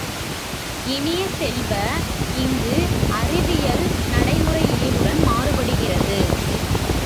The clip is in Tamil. இனிய செல்வ, இங்கு அறிவியல், நடைமுறை இயலுடன் மாறுபடுகிறது.